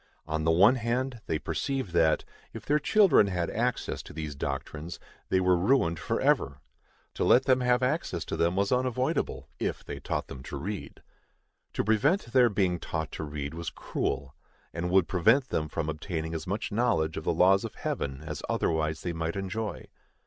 On the one hand, they perceive that, if their children had access to these doctrines, they were ruined forever. To let them have access to them was unavoidable, if they taught them to read. To prevent their being taught to read was cruel, and would prevent them from obtaining as much knowledge of the laws of Heaven as otherwise they might enjoy.